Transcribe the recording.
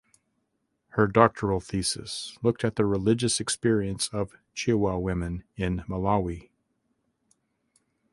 Her doctoral thesis looked at the religious experience of Chewa women in Malawi.